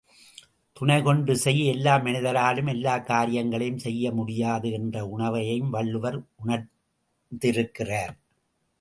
துணைகொண்டு செய் எல்லா மனிதராலும் எல்லாக் காரியங்களையும் செய்ய முடியாது என்ற உண்வையையும் வள்ளுவர் உணர்ந்திருக்கிறார்.